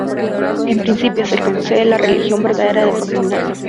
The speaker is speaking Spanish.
En principio es el que posee la religión verdadera de forma innata.